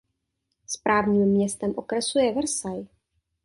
Správním městem okresu je Versailles.